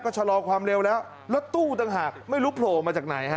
ชะลอความเร็วแล้วรถตู้ต่างหากไม่รู้โผล่มาจากไหนฮะ